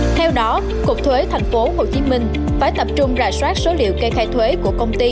theo đó cục thuế tp hcm phải tập trung rà soát số liệu kê khai thuế của công ty